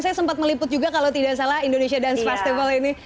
saya sempat meliput juga kalau tidak salah indonesia dance festival ini